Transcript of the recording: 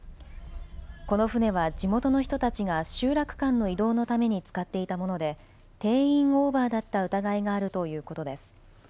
この船は地元の人たちが集落間の移動のために使っていたもので定員オーバーだった疑いがあるということです。